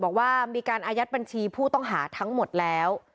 บอกว่ามีการอายัดบัญชีผู้ต้องหาทั้งหมดแล้ว